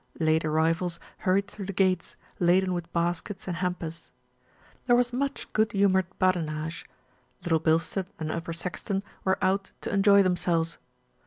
Late arrivals hurried through the gates, laden with baskets and hampers. There was much good humoured badinage. Little Bil stead and Upper Saxton were out to enjoy themselves.